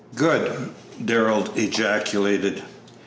"Good!" Darrell ejaculated.